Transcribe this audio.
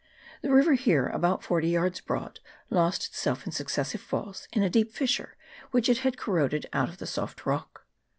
The river, here about forty yards broad, lost itself in successive falls in a deep fissure which it had corroded out of the soft rock.